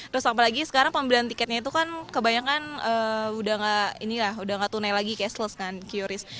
terus apalagi sekarang pembelian tiketnya itu kan kebanyakan udah gak tunai lagi cashless kan qris